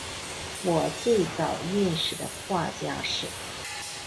我最早认识的画家是